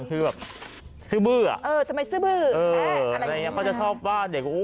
ปึกแท้ตัวตรู